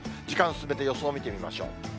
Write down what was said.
時間進めて予想を見てみましょう。